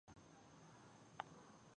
عمل نیکۍ ته اړتیا لري